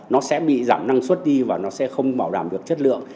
nó sẽ bị giảm năng suất đi và nó sẽ không bảo đảm được chất lượng